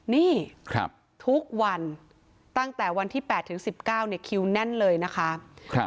นี่ทุกวันตั้งแต่วันที่๘ถึง๑๙คิวแน่นเลยนะคะ